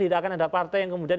tidak akan ada partai yang kemudian